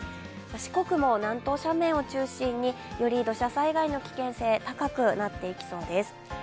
四国も南東斜面を中心により土砂災害の危険性高くなっていきそうです。